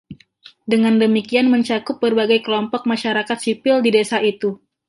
Dengan demikian mencakup berbagai kelompok Masyarakat Sipil di desa itu.